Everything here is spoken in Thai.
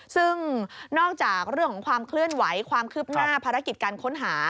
ซึ่งนอกจากเรื่องของความเคลื่อนไหวความคืบหน้าภารกิจการค้นหา